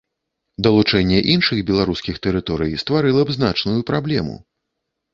Далучэнне іншых беларускіх тэрыторый стварыла б значную праблему.